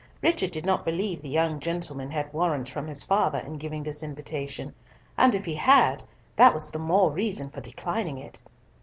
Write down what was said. Richard did not believe the young gentleman had warrant from his father in giving this invitation, and if he had, that was the more reason for declining it.